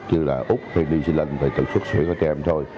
như là úc hay new zealand về tự xuất xuyển của trẻ em thôi